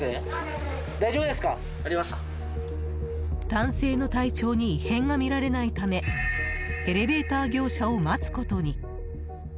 男性の体調に異変が見られないためエレベーター業者を待つことに。